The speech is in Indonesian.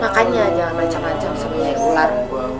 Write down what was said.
makanya jangan macam macam semuanya yang ular